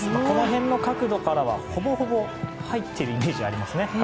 この辺の角度からはほぼほぼ入っているイメージがありますね。